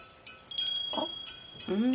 あっうーん。